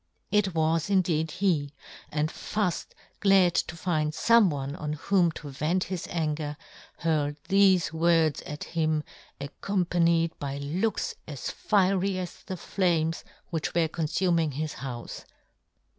It was indeed he, and Fuft, glad to find fome one on whom to vent his anger, hurled thefe words at him, ac companied by looks as fiery as the flames which were confuming his houfe.